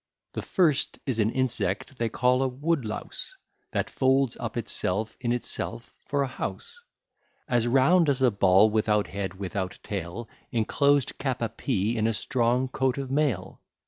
The first is an insect they call a wood louse, That folds up itself in itself for a house, As round as a ball, without head, without tail, Enclosed cap à pie, in a strong coat of mail.